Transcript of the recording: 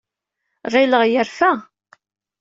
Ɣileɣ yerfa.